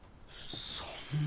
そんな。